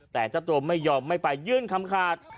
แต่เจ้าตัวไม่ยอมไม่ไปยื่นคำขาด